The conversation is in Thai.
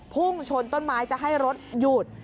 พุ่งชนต้นไม้จะให้รถหยุด